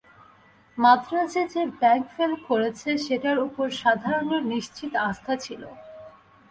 মাদ্রাজে যে bank fail করেছে সেটার উপরে সাধারণের নিশ্চিত আস্থা ছিল।